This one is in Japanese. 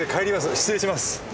失礼します。